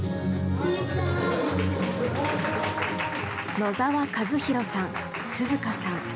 野澤和宏さん、涼香さん。